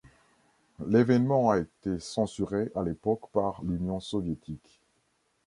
L'évènement a été censuré à l'époque par l'Union soviétique.